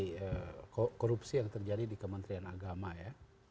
untuk menjelaskan berbagai korupsi yang terjadi di kementerian agama ya